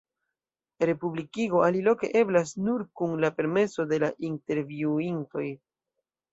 Republikigo aliloke eblas nur kun la permeso de la intervjuintoj.